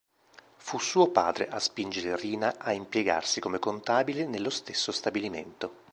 Fu suo padre a spingere Rina a impiegarsi come contabile nello stesso stabilimento.